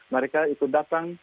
mereka ikut datang